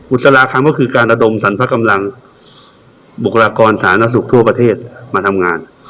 สลาคำก็คือการระดมสรรพกำลังบุคลากรสาธารณสุขทั่วประเทศมาทำงาน